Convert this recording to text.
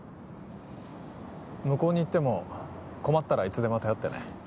向こうに行っても困ったらいつでも頼ってね。